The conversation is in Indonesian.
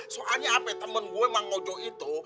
soalnya apa temen gue mang ojo itu